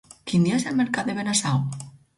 Quin dia és el mercat de Benasau?